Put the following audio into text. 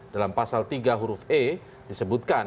dalam pasal tiga huruf e disebutkan